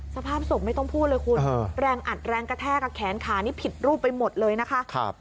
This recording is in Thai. สภาพศพไม่ต้องพูดเลยคุณแรงอัดแรงกระแทกกับแขนขานี่ผิดรูปไปหมดเลยนะคะ